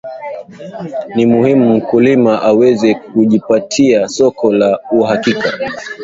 ni muhimu mkulima aweze kujipatia soko la uhakika